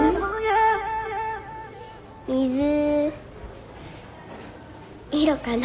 水色かな。